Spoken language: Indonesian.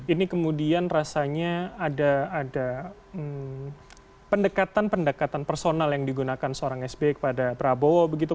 ini kemudian rasanya ada pendekatan pendekatan personal yang digunakan seorang sby kepada prabowo begitu